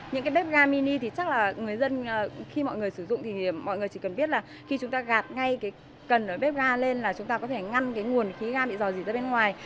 những cái bếp ga mini thì chắc là người dân khi mọi người sử dụng thì mọi người chỉ cần biết là khi chúng ta gạt ngay cần ở bếp ga lên là chúng ta có thể ngăn cái nguồn khí ga bị dò dỉ ra bên ngoài